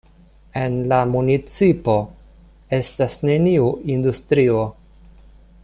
En la municipo estas neniu industrio.